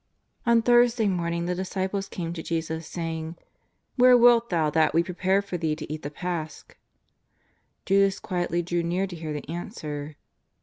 On Thursday morning the disciples came to Jesus, saying: " Where wilt Thou that we prepare for Thee to eat the Pasch V Judas quietly drew near to hear the answer.